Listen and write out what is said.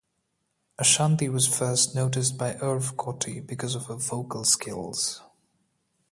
Ashanti was first noticed by Irv Gotti because of her vocal skills.